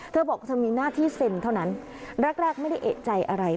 เธอบอกเธอมีหน้าที่เซ็นเท่านั้นแรกแรกไม่ได้เอกใจอะไร